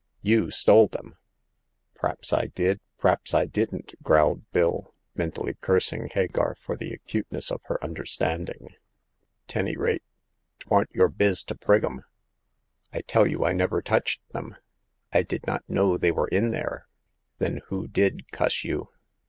You stole them !"P'raps I did, p'raps I didn't !" growled Bill, mentally cursing Hagar for the acuteness of her understanding.* " 'Tany rate, 'twarn't your biz to prig 'em !"I tell you I never touched them ! I did not know they were in there !"*' Then who did, cuss you